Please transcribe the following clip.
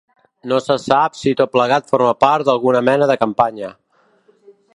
No se sap si tot plegat forma part d’alguna mena de campanya.